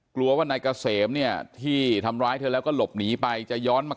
กลัวว่านายเกษมเนี่ยที่ทำร้ายเธอแล้วก็หลบหนีไปจะย้อนมา